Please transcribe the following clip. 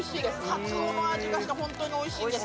かつおの味がして本当においしいんです。